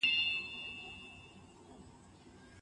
پوهان وايي چي څېړنه د پرمختګ غوره لار ده.